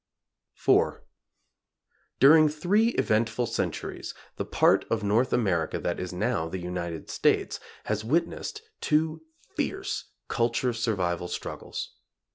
IV. During three eventful centuries, the part of North America that is now the United States has witnessed two fierce culture survival struggles.